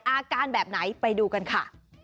อาการแบบไหนไปดูกันค่ะ